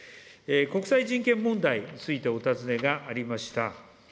国際人権問題についてお尋ねがありました。